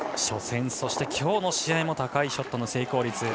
初戦そして今日の試合も高いショットの成功率。